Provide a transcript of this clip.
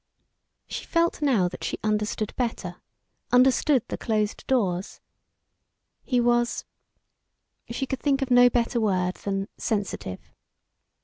She felt now that she understood better understood the closed doors. He was she could think of no better word than sensitive.